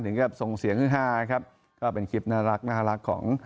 ถึงกับทรงเสียงขึ้น๕นะครับก็เป็นคลิปน่ารักของ